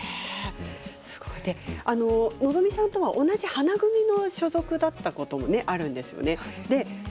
望海さんとは同じ花組の所属だったこともあるんですよね。